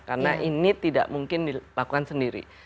karena ini tidak mungkin dilakukan sendiri